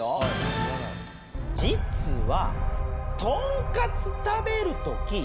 実は。